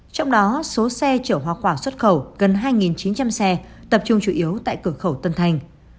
trong đó số xe chở hoa quả xuất khẩu gần hai chín trăm linh xe tập trung chủ yếu tại cửa khẩu tân thanh